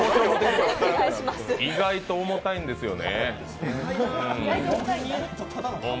意外と重たいんですよね。